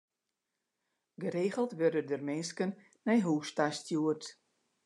Geregeld wurde der minsken nei hûs ta stjoerd.